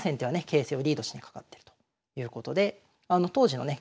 形勢をリードしにかかってるということで当時のね